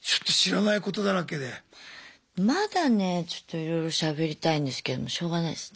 まだねちょっといろいろしゃべりたいんですけどもしょうがないですね。